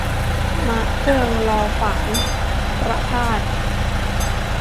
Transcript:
'มะเฟืองรอฝาน' ประภาส